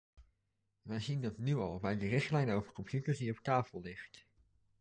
Wij zien dat nu al bij de richtlijn over computers, die op tafel ligt.